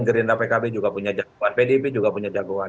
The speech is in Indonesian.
gerinda pkb juga punya jagoan pdp juga punya jagoan